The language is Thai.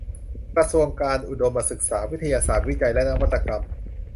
กระทรวงการอุดมศึกษา วิทยาศาสตร์ วิจัยและนวัตกรรม